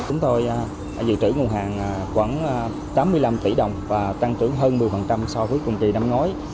chúng tôi dự trữ nguồn hàng khoảng tám mươi năm tỷ đồng và tăng trưởng hơn một mươi so với cùng kỳ năm ngói